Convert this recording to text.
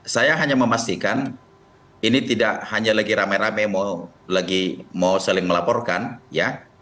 saya hanya memastikan ini tidak hanya lagi rame rame lagi mau saling melaporkan ya